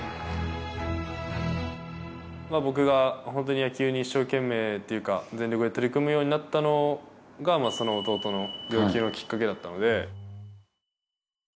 僕が本当に野球に一生懸命というか全力で取り組むようになったのが弟の病気がきっかけだったので。